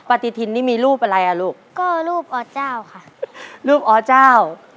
ปฏิทินนี่มีรูปอะไรอ่ะลูกก็รูปอเจ้าค่ะรูปอเจ้า